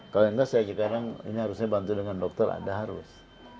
kalau yang enggak saya sekarang ini harusnya bantu dengan dokter ada harus